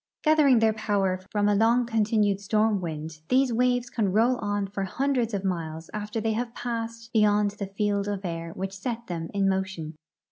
Gathering their poAver from a long continued storm Avind, these Avaves can roll on for hundreds of miles after they have passed beyond the field of air Avhich set them in motion.